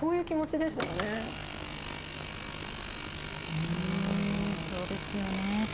うんそうですよね。